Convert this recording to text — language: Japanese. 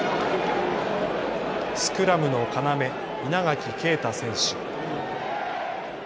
スクラムの要、稲垣啓太選手。